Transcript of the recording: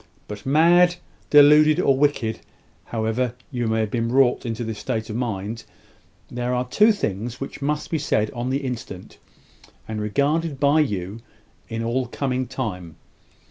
"But mad, deluded, or wicked however you may have been wrought into this state of mind, there are two things which must be said on the instant, and regarded by you in all coming time.